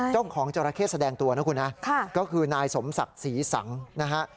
จ้องของแจรเขตแสดงตัวคุณก็คือนายสมศักดิ์ศรีสังธ์